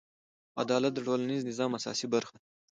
عدالت د ټولنیز نظم اساسي برخه ده.